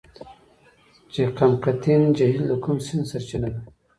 چقمقتین جهیل د کوم سیند سرچینه ده؟